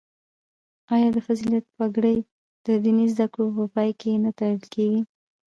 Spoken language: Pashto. آیا د فضیلت پګړۍ د دیني زده کړو په پای کې نه تړل کیږي؟